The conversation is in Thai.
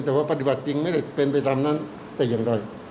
แต่ว่าปฏิบัติจริงไม่ได้เป็นไปตามนั้นแต่อย่างใด